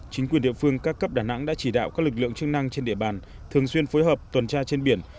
chính quyền địa phương các cấp đà nẵng đã chỉ đạo các lực lượng chức năng trên địa bàn thường xuyên phối hợp tuần tra trên biển